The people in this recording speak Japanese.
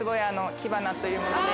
き花というもので。